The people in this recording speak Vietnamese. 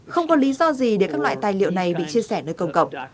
không có lý do gì để các loại tài liệu này bị chia sẻ nơi công cộng